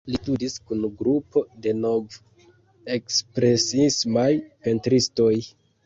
Li studis kun grupo de nov-ekspresiismaj pentristoj.